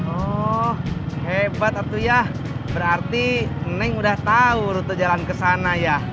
oh hebat atu ya berarti neng udah tau rute jalan kesana ya